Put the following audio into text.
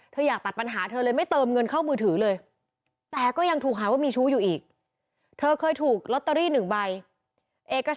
เธออยากตัดปัญญาเธอเลยไม่เติมเงินเข้ามือถือเลยแต่ยังถูกหากว่ามีมีมือถืออยู่อีก